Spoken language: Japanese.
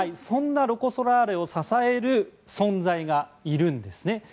そんなロコ・ソラーレを支える存在がいるんですね。